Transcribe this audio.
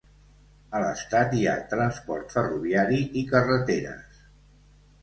A l'Estat hi ha transport ferroviari i carreteres.